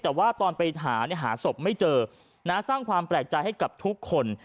แต่ว่าตอนไปหาหาศพไม่เจอสร้างความแปลกใจให้กับทุกคน